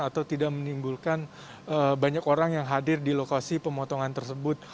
atau tidak menimbulkan banyak orang yang hadir di lokasi pemotongan tersebut